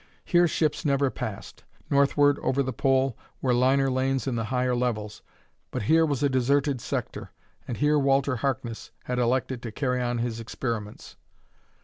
Here ships never passed. Northward, toward the Pole, were liner lanes in the higher levels, but here was a deserted sector. And here Walter Harkness had elected to carry on his experiments.